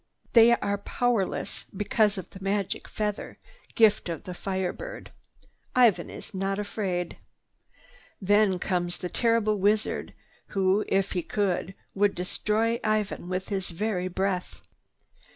They are powerless because of the magic feather, gift of the Fire Bird. Ivan is not afraid. Then comes the terrible wizard who, if he could, would destroy Ivan with his very breath.